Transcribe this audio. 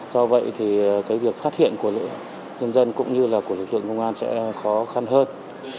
do vậy thì cái việc phát hiện của nhân dân cũng như là của lực lượng công an sẽ khó khăn hơn